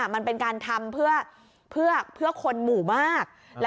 มันเป็นการทำเพื่อคนหมู่มาก